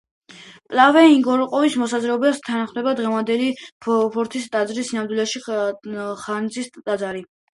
პავლე ინგოროყვას მოსაზრების თანახმად დღევანდელი ფორთის ტაძარი სინამდვილეში ხანძთის ტაძარია.